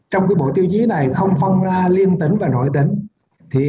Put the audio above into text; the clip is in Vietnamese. trong bộ tiêu chí này không phân ra liên tỉnh và nội tỉnh